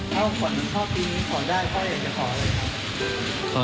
พ่อฝันพ่อพี่ขอได้พ่ออยากจะขออะไรครับ